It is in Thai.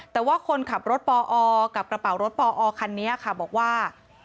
แต่ว่าคนขับรถปอกับกระเป๋ารถปอคันนี้ค่ะบอกว่า